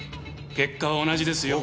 結果は同じですよ。